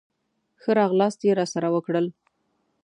ښه راغلاست یې راسره وکړل.